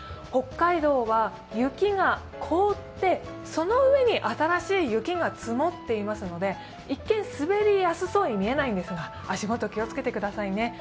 北海道は雪が凍って、その上に新しい雪が積もっていますので、一見、滑りやすそうに見えないんですが、足元気をつけてくださいね。